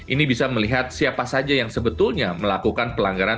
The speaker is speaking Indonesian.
ini bisa melihat siapa saja yang sebetulnya melakukan pelanggaran